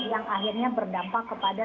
yang akhirnya berdampak kepada